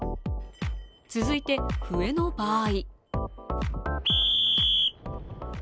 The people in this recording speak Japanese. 続いて笛の場合。